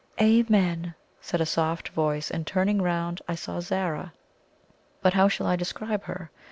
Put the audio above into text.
"Amen!" said a soft voice, and, turning round, I saw Zara. But how shall I describe her?